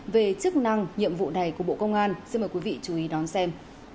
về chức năng nhiệm vụ này của bộ công an xin mời quý vị chú ý đón xem